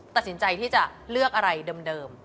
ตัดสินใจที่จะเลือกอะไรเดิม